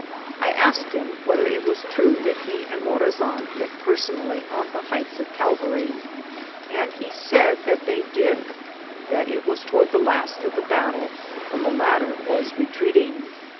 I asked him whether it was true that he and Morazan met per sonally on the heights of Calvary, and he said that they did ; that it was toward the last of the battler when the latter was retreating.